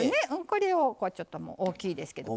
これを、ちょっと大きいですけど。